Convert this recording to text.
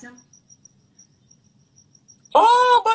oh banyak sekali